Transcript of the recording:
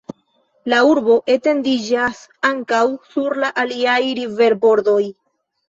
La urbo etendiĝas ankaŭ sur la aliaj riverbordoj.